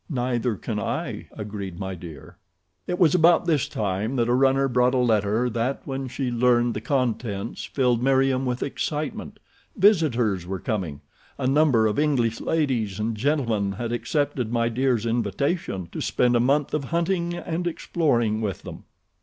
"Neither can I," agreed My Dear. It was about this time that a runner brought a letter that, when she learned the contents, filled Meriem with excitement. Visitors were coming! A number of English ladies and gentlemen had accepted My Dear's invitation to spend a month of hunting and exploring with them.